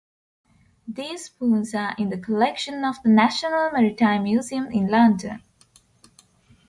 These spoons are in the collection of the National Maritime Museum in London.